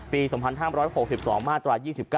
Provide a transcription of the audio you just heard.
ปี๒๕๖๒มาตรา๒๙